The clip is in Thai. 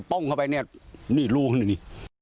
ป้มเข้าไปเงียบหนีร่วง